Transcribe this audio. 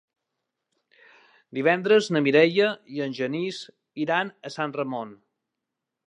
Divendres na Mireia i en Genís iran a Sant Ramon.